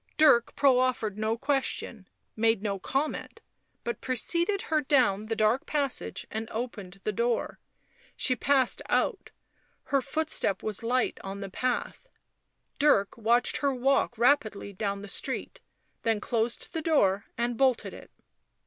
Dirk proffered no question, made no comment, but preceded her down the dark passage and opened the door; she passed out ; her footstep was light on the path ; Dirk watched her walk rapidly down the street, then closed the door and bolted it.